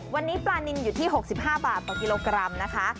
วันนี้ปลานินอยู่ที่๖๕บาทต่อกิโลกรัมนะคะ